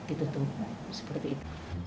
itu tuh seperti itu